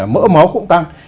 mỡ máu cũng tăng